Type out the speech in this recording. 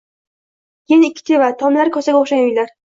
Keyin ikki teva, tomlari kosaga o‘xshagan uylar